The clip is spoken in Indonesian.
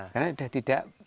karena sudah tidak